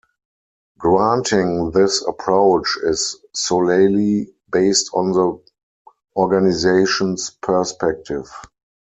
Granting this approach is solely based on the organisation's perspective.